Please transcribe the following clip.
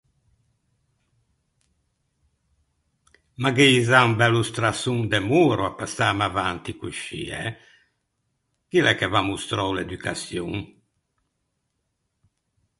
Ma gh’ei za un bello strasson de moro à passâme avanti coscì, eh! Chì l’é che v’à mostrou l’educaçion?